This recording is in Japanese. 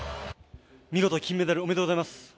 見事、金メダル、おめでとうございます。